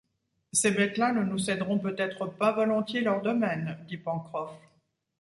Ces bêtes-là ne nous céderont peut-être pas volontiers leur domaine? dit Pencroff.